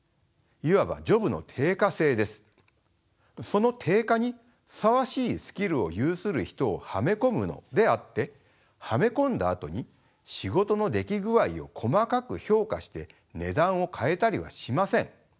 その定価にふさわしいスキルを有する人をはめ込むのであってはめ込んだあとに仕事の出来具合を細かく評価して値段を変えたりはしません。